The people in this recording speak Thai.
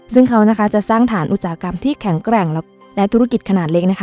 ซึ่งเขานะคะจะสร้างฐานอุตสาหกรรมที่แข็งแกร่งและธุรกิจขนาดเล็กนะคะ